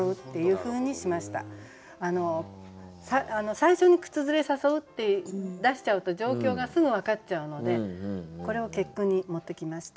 最初に「靴ずれ誘う」って出しちゃうと状況がすぐ分かっちゃうのでこれを結句に持ってきました。